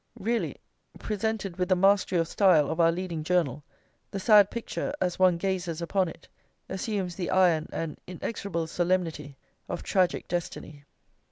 Really, presented with the mastery of style of our leading journal, the sad picture, as one gazes upon it, assumes the iron and inexorable solemnity of tragic Destiny.